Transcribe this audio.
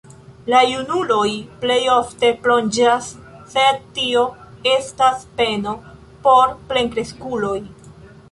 La junuloj pli ofte plonĝas, sed tio estas peno por plenkreskuloj.